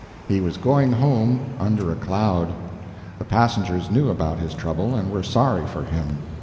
He was going home under a cloud. The passengers knew about his trouble, and were sorry for him.